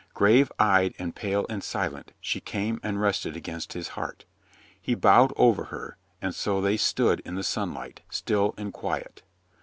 Grave eyed and pale and silent, she came and rested against his heart. He bowed over her, and so they stood in the sunlight, still and quiet.